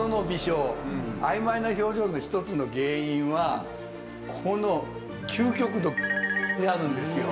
あいまいな表情の一つの原因はこの究極のにあるんですよ。